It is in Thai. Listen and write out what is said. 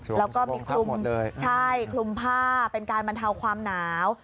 แล้วก็มีคลุมใช่คลุมผ้าเป็นการบรรเทาความหนาว